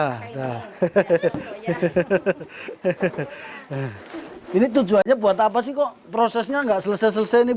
hahaha ini tujuannya buat apa sih kok prosesnya enggak selesai selesai nih